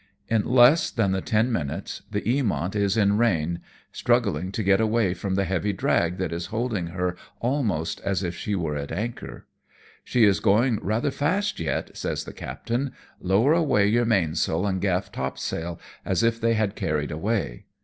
In less than the ten minutes the Ulamont is in rein, struggling to get away from the heavy drag that is holding her almost as if she were at anchor. " She is going rather fast yet," says the captain ; "lower away your mainsail and gaflf topsail, as if they had carried away."